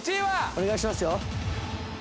お願いしますよ。